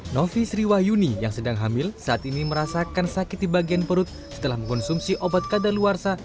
novi sriwayuni yang sedang hamil saat ini merasakan sakit di bagian perut setelah mengkonsumsi obat kadaluarsa